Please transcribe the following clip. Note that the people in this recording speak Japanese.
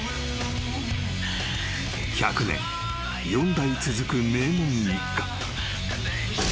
［１００年四代続く名門一家］